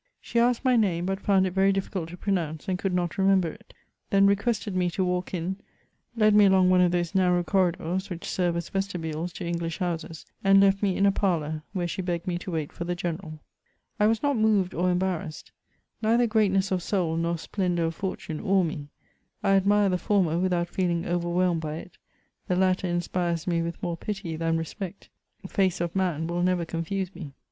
She asked my name, but found it very difficult to pronounce, and could not remember it ; then requested me to T 2 256 MEMoms OF << walk in," led me along one of those narrow corridors which serve as vestibules to English houses, and left me in a parlour, where she beg^ged me to wait for the general I was not moved or embarrassed ; neither greatness of soul nor splendour of fortune awe me ; I admire the former without feel ing overwhelmed by it ; the latter inspires me with more pity than respect ; face of man will never confuse me.